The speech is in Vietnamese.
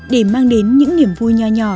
để mang đến những niềm vui nhỏ nhỏ